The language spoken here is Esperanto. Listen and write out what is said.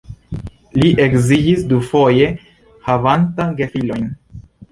Li edziĝis dufoje havanta gefilojn.